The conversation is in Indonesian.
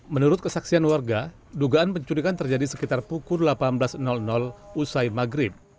menurut kesaksian warga dugaan pencurikan terjadi sekitar pukul delapan belas usai maghrib